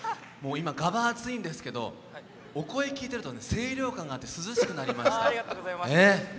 今、がば暑いんですけどお声、聴いてると清涼感があって涼しくなりました。